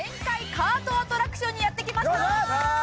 カートアトラクション」にやってきました！